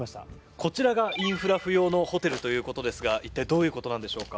こちらがインフラ不要のホテルということですが一体どういうことなんでしょうか。